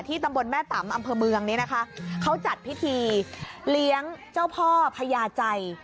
ตำบลแม่ตำอำเภอเมืองนี้นะคะเขาจัดพิธีเลี้ยงเจ้าพ่อพญาใจ